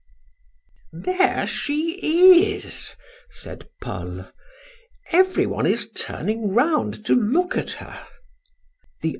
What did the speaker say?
"There she is," said Paul. "Every one is turning round to look at her."